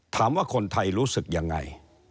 ถามว่าคนไทยรู้สึกยังไง